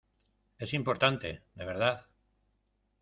es importante, de verdad.